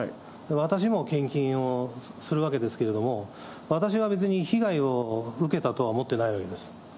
私も献金をするわけですけれども、私は別に被害を受けたとは思ってないわけです。